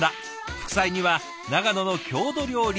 副菜には長野の郷土料理